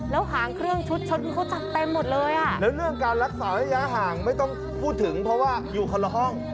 แล้วหางเครื่องชุดนี้เขาจัดเต็มหมดเลยอ่ะแล้วเรื่องการรักษาระยะห่างไม่ต้องพูดถึงเพราะว่าอยู่คนละห้อง